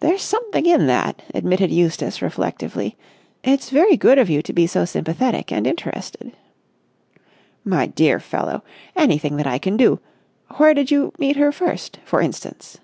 "There's something in that," admitted Eustace reflectively. "It's very good of you to be so sympathetic and interested." "My dear fellow ... anything that I can do ... where did you meet her first, for instance?"